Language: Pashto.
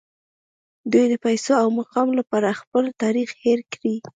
دوی د پیسو او مقام لپاره خپل تاریخ هیر کړی